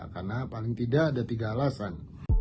karena paling tidak ada tiga alasan